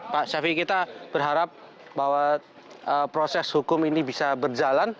pak syafii ⁇ kita berharap bahwa proses hukum ini bisa berjalan